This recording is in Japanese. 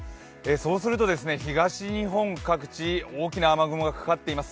そうするとですね、東日本各地大きな雨雲がかかっています。